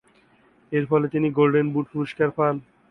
এরফলে তিনি golden boot পুরস্কার পান।